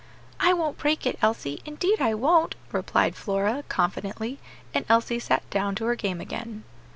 "I won't break it, Elsie, indeed I won't," replied Flora, confidently; and Elsie sat down to her game again.